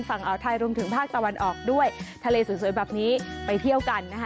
อ่าวไทยรวมถึงภาคตะวันออกด้วยทะเลสวยแบบนี้ไปเที่ยวกันนะคะ